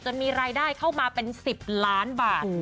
มีรายได้เข้ามาเป็น๑๐ล้านบาท